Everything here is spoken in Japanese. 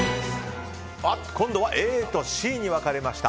今度はＡとＣに分かれました。